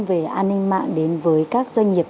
về an ninh mạng đến với các doanh nghiệp